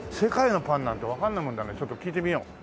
ちょっと聞いてみよう。